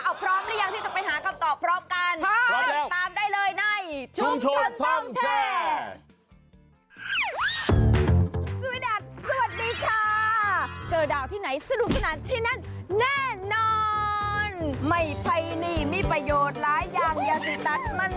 เอาพร้อมหรือยังที่จะไปหาคำตอบพร้อมกันติดตามได้เลยในชุมชนต้องแชร์